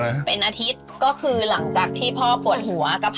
อืมอืมอืมอืมอืมอืมอืมอืม